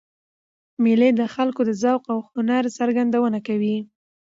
مېلې د خلکو د ذوق او هنر څرګندونه کوي.